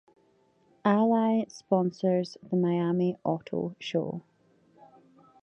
Ally sponsors the Miami Auto Show.